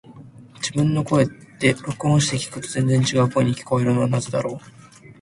自分の声って、録音して聞くと全然違う声に聞こえるのはなぜだろう。